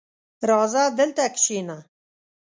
راځه دلته کښېنه!